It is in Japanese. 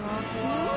うわ。